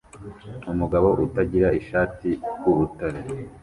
Umugabo utagira ishati urutare